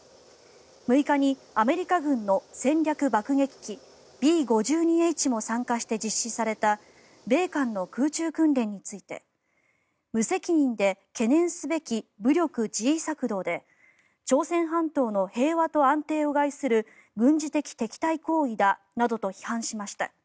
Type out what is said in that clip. ６日にアメリカ軍の戦略爆撃機Ｂ５２Ｈも参加して実施された米韓の空中訓練について無責任で懸念すべき武力示威策動で朝鮮半島の平和と安定を害する軍事的敵対行為だなどと批判しました。